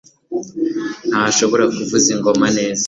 ntashobora kuvuza ingoma neza.